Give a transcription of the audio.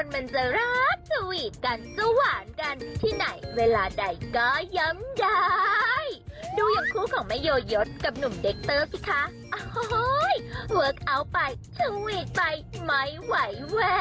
โปรดติดตามตอนต่อไป